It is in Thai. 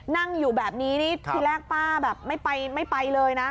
นั่งอยู่แบบนี้ทีแรกป้าแบบไม่ไปเลยนะ